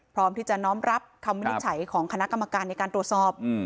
พร้อมที่จะน้อมรับคำวินิจฉัยของคณะกรรมการในการตรวจสอบ